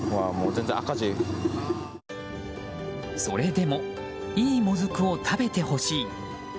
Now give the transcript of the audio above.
それでもいいモズクを食べてほしい。